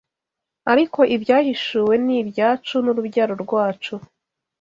ariko ibyahishuwe ni ibyacu n’urubyaro rwacu